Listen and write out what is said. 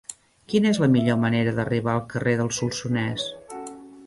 Quina és la millor manera d'arribar al carrer del Solsonès?